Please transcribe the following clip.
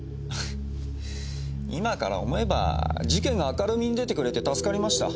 今から思えば事件が明るみに出てくれて助かりました。